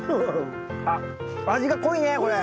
あっ味が濃いねこれ。